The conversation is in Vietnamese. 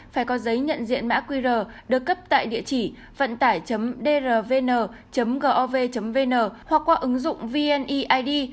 phải có giấy nhận diện mã qr được cấp tại địa chỉ vận tải drvn gov vn hoặc qua ứng dụng vni id